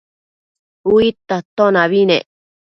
Uidta atonabi nec